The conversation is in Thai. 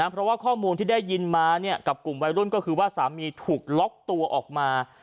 เพราะว่าข้อมูลที่ได้ยินมากับกลุ่มวัยรุ่นก็คือว่าสามีถูกล็อกตัวออกมา